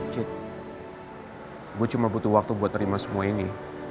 cit gue cuma butuh waktu buat terima semua ini